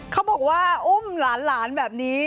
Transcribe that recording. เขาบอกว่าอุ้มหลานแบบนี้